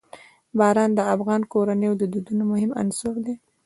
باران د افغان کورنیو د دودونو مهم عنصر دی.